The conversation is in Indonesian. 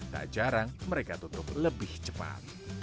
tak jarang mereka tutup lebih cepat